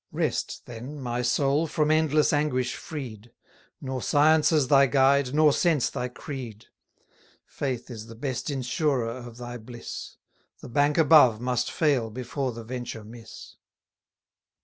Rest, then, my soul, from endless anguish freed: Nor sciences thy guide, nor sense thy creed. Faith is the best insurer of thy bliss; The bank above must fail before the venture miss.